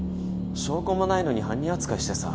証拠もないのに犯人扱いしてさ。